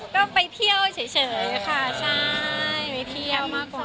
ก็ไปเที่ยวเฉยค่ะใช่ไปเที่ยวมากกว่า